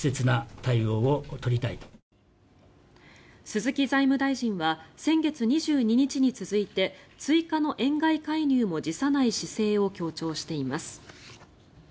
鈴木財務大臣は先月２２日に続いて追加の円買い介入も辞さない姿勢を強調しています。